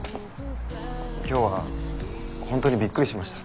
今日はほんとにびっくりしました。